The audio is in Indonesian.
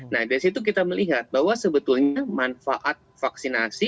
nah dari situ kita melihat bahwa sebetulnya manfaat vaksinasi